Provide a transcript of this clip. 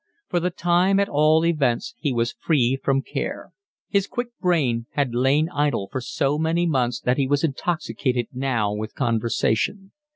For the time at all events he was free from care. His quick brain had lain idle for so many months that he was intoxicated now with conversation.